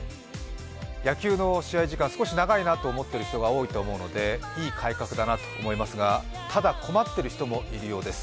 野球の試合時間、少し長いなと思っている人が多いと思うのでいい改革だなと思いますがただ困っている人もいるようです。